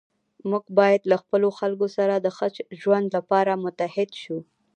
موږ باید له خپلو خلکو سره د ښه ژوند لپاره متحد شو.